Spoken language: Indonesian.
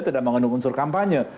tidak mengenung unsur kampanye